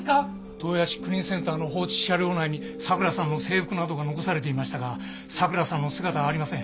豊橋クリーンセンターの放置車両内に咲良さんの制服などが残されていましたが咲良さんの姿はありません